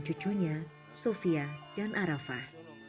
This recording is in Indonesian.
cucunya sofia dan arafah